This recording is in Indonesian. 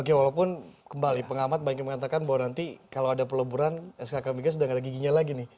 oke walaupun kembali pengamat banyak yang mengatakan bahwa nanti kalau ada peleburan skk migas sudah ada giginya lagi nih